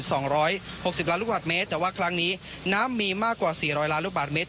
สองร้อยหกสิบล้านลูกบาทเมตรแต่ว่าครั้งนี้น้ำมีมากกว่าสี่ร้อยล้านลูกบาทเมตร